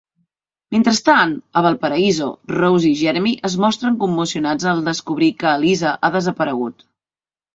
Mentrestant, a Valparaíso, Rose i Jeremy es mostren commocionats al descobrir que Eliza ha desaparegut.